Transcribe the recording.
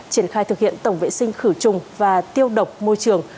triển khai thực hiện tổng vệ sinh khử trùng và tiêu độc môi trường